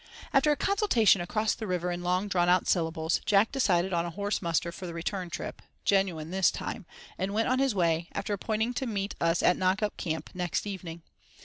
After a consultation across the river in long drawn out syllables, Jack decided on a horse muster for the return trip—genuine this time—and went on his way, after appointing to meet us at Knock up camp next evening.